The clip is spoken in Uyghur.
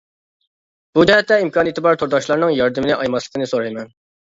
بۇ جەھەتتە ئىمكانىيىتى بار تورداشلارنىڭ ياردىمىنى ئايىماسلىقىنى سورايمەن.